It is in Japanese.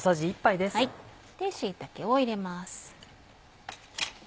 椎茸を入れます。